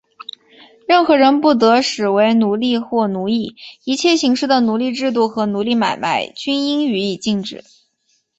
任何人不得使为奴隶或奴役;一切形式的奴隶制度和奴隶买卖,均应予以禁止。